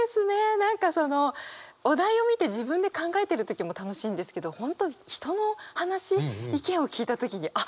何かそのお題を見て自分で考えてる時も楽しいんですけど本当人の話意見を聞いた時にあっ